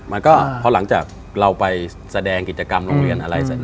มันก็พอหลังจากเราไปแสดงกิจกรรมโรงเรียนอะไรเสร็จ